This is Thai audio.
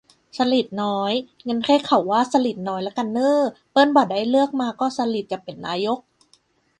"สฤษฎิ์น้อย" งั้นเรียกเขาว่า "สลิดน้อย" ละกันเน่อ เปิ้นบ่ะได้เลือกมาก็สลิดจะเป๋นนายก